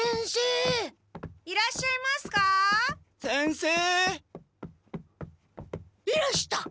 いらした！